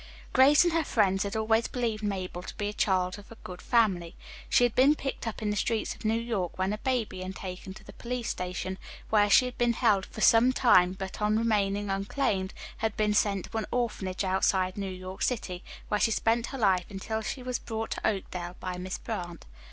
Grace and her friends had always believed Mabel to be a child of good family. She had been picked up in the streets of New York when a baby, and taken to the police station, where she had been held for some time, but on remaining unclaimed, had been sent to an orphanage outside New York City, where she had spent her life until she had been brought to Oakdale by Miss Brant.